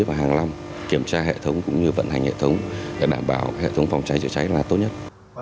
và hàng năm kiểm tra hệ thống cũng như vận hành hệ thống để đảm bảo hệ thống phòng cháy chữa cháy là tốt nhất